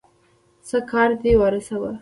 څه کار دی ورسره؟